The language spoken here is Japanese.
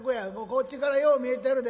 こっちからよう見えてるで。